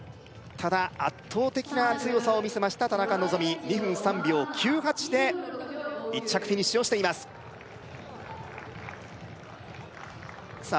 ただ圧倒的な強さを見せました田中希実２分３秒９８で１着フィニッシュをしていますさあ